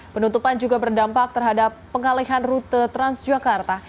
penutupan juga berdampak terhadap pengalihan rute transjakarta